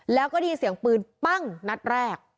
แล้วก็ได้ยินเสียงปืนปั้งนัดแรก